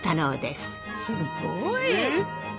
すごい！